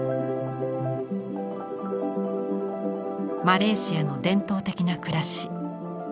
マレーシアの伝統的な暮らし。